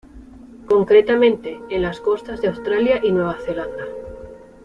Concretamente, en las costas de Australia y Nueva Zelanda.